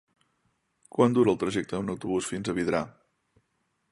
Quant dura el trajecte en autobús fins a Vidrà?